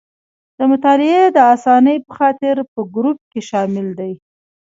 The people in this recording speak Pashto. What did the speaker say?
د مطالعې د اسانۍ په خاطر په ګروپ کې شامل دي.